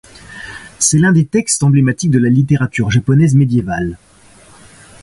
C'est l'un des textes emblématique de la littérature japonaise médiévale.